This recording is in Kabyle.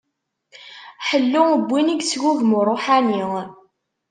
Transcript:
Ḥellu n win i yesgugem uṛuḥani.